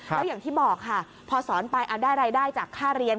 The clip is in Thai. แล้วอย่างที่บอกค่ะพอสอนไปได้รายได้จากค่าเรียน